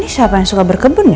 disini siapa yang suka berkebun ya